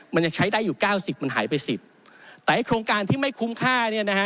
มันจะใช้ได้อยู่๙๐มันหายไป๑๐แต่โครงการที่ไม่คุ้มค่าเนี่ยนะฮะ